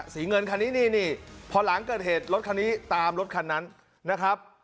สีเงินคันนี้นี่พอหลังเกิดเหตุรถคันนี้ตามรถคันนั้นนะครับ